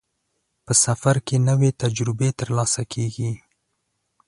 په سفر کې نوې تجربې ترلاسه کېږي.